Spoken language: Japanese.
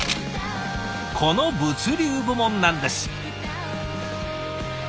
この物流部門なんです。